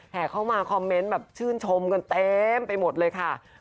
เข้ามาคอมเมนต์แบบชื่นชมกันเต็มไปหมดเลยค่ะ